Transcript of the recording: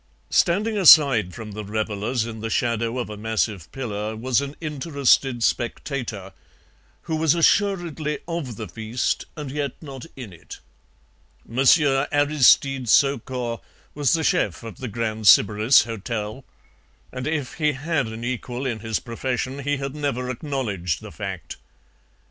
"Standing aside from the revellers in the shadow of a massive pillar was an interested spectator who was assuredly of the feast, and yet not in it. Monsieur Aristide Saucourt was the CHEF of the Grand Sybaris Hotel, and if he had an equal in his profession he had never acknowledged the fact.